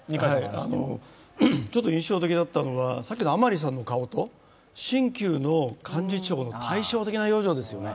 印象的だったのは、さっきの甘利さんの顔と新旧の幹事長の対照的な表情ですよね。